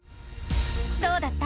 どうだった？